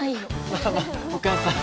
まあまあお母さん。